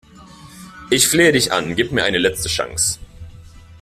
Ich flehe dich an, gib mir eine letzte Chance!